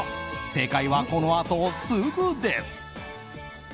正解はこのあとすぐです。